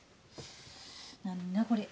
何だこれ？